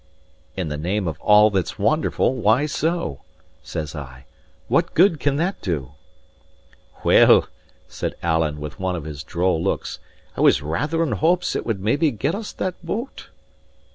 "In the name of all that's wonderful, why so?" says I. "What good can that do?" "Well," said Alan, with one of his droll looks, "I was rather in hopes it would maybe get us that boat."